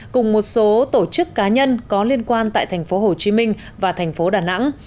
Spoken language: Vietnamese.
cùng một số tổ chức cá nhân có liên quan tại thành phố hồ chí minh và thành phố đà nẵng